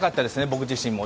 僕自身も。